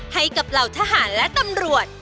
เหล่าทหารและตำรวจ